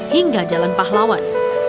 hingga jalan pahlawan